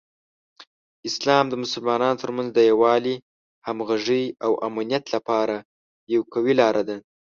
اسلام د مسلمانانو ترمنځ د یووالي، همغږۍ، او امنیت لپاره یوه قوي لاره ده.